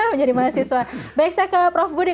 menjadi mahasiswa baik saya ke prof budi